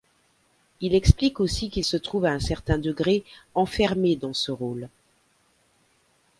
Il explique aussi qu'il se trouve à un certain degré enfermé dans ce rôle.